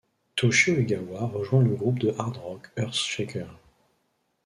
Toshio Egawa rejoint le groupe de hard rock Earthshaker.